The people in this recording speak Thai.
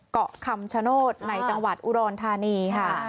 เกาะคำชโนธในจังหวัดอุดรธานีค่ะ